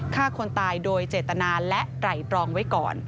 ฆ่าคนตายโดยเจตนาและไตรตรองไว้ก่อน